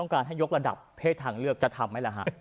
การให้ยกระดับเพศทางเลือกจะทำไหมล่ะฮะ